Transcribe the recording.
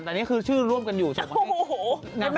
แต่นี่คือชื่อร่วมกันอยู่ส่งมาให้